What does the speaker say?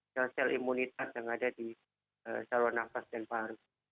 sel sel imunitas yang ada di saluran nafas dan paru